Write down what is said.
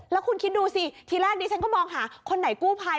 แล้วคุณคิดดูสิทีแรกดิฉันก็มองหาคนไหนกู้ภัย